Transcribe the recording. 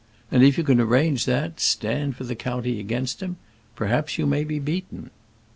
And if you can arrange that, stand for the county against him; perhaps you may be beaten."